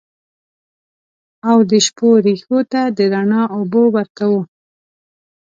او د شپو رېښو ته د رڼا اوبه ورکوو